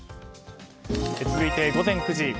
続いて、午前９時。